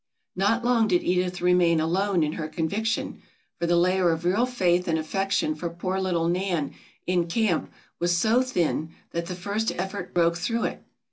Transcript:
Not long did Edith remain alone in her conviction, for the layer of real faith and affection for poor little Nan in camp was so thin that the first effort broke through it.